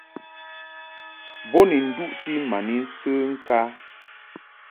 Bo ni nduʼti ma ni nsə ŋkǎ.